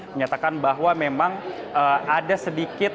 menyatakan bahwa memang ada sedikit